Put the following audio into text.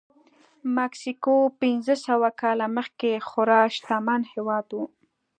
مکسیکو پنځه سوه کاله مخکې خورا شتمن هېواد و.